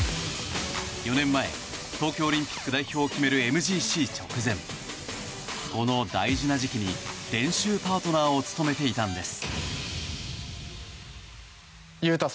４年前、東京オリンピック代表を決めるＭＧＣ直前この大事な時期に練習パートナーを務めていたんです。